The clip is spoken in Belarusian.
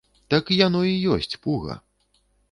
Так яно і ёсць, пуга.